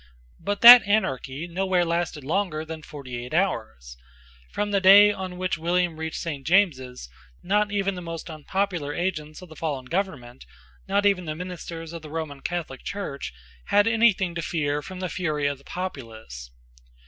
But that anarchy nowhere lasted longer than forty eight hours. From the day on which William reached Saint James's, not even the most unpopular agents of the fallen government, not even the ministers of the Roman Catholic Church, had any thing to fear from the fury of the populace.